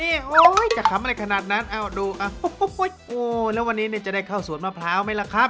โอ้โหจะขำอะไรขนาดนั้นเอาดูแล้ววันนี้เนี่ยจะได้เข้าสวนมะพร้าวไหมล่ะครับ